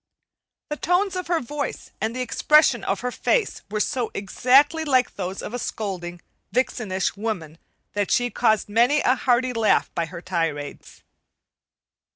The tones of her voice and the expression of her face were so exactly like those of a scolding, vixenish woman that she caused many a hearty laugh by her tirades.